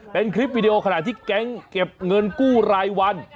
เป็นคลิปวิดีโอขณะที่แก๊งเก็บเงินกู้รายวัน